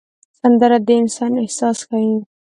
سندره د انسان احساس ښيي